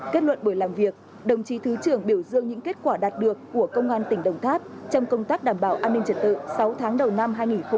kết luận buổi làm việc đồng chí thứ trưởng biểu dương những kết quả đạt được của công an tỉnh đồng tháp trong công tác đảm bảo an ninh trật tự sáu tháng đầu năm hai nghìn hai mươi ba